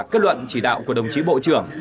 kết luận chỉ đạo của đồng chí bộ trưởng